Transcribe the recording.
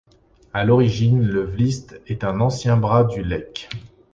À l'origine, le Vlist est un ancien bras du Lek.